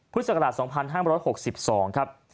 พศ๒๕๖๒ครับ